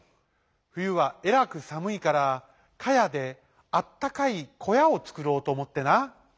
ふゆはえらくさむいからかやであったかいこやをつくろうとおもってな」。